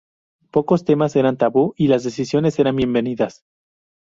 Pocos temas eran tabú, y las disensiones era bienvenidas.